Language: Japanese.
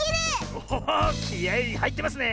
おおおっきあいはいってますね！